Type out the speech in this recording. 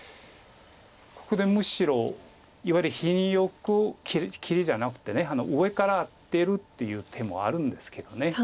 ここでむしろいわゆる品よく切りじゃなくて上からアテるっていう手もあるんですけど。